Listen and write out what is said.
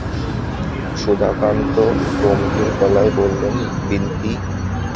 সুধাকান্ত গম্ভীর গলায় বললেন, বিন্তি।